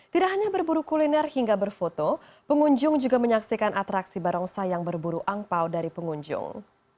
tidak hanya berburu kuliner hingga berfoto pengunjung juga menyaksikan atraksi barongsai yang berburu angpao dari pengunjung